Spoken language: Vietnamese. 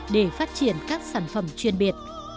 để phát triển các sản phẩm chuyên biệt